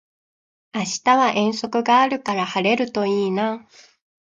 明日は遠足があるから晴れるといいな